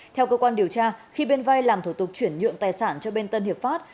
theo cơ quan điều tra khi bên vai làm thủ tục chuyển nhượng tài sản cho bên tân hiệp pháp